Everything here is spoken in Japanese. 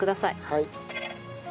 はい。